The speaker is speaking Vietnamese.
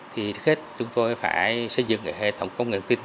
thì đối với chúng tôi phải xây dựng hệ thống công nghệ thông tin